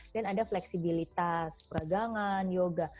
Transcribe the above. dan ada fleksibilitas peragangan yoga